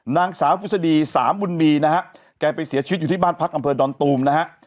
นางสาวพฤษฎีสามบุญมีนะฮะแกไปเสียชีวิตอยู่ที่บ้านพักอำเภอดอนตูมนะฮะ